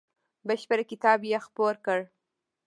بشپړ کتاب یې خپور کړ.